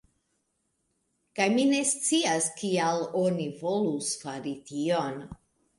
Kaj mi ne scias kial oni volus fari tion.